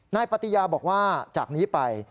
นายปฏิญาบอกว่าจากนี้ไป